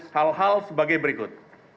hal hal sebagai berikut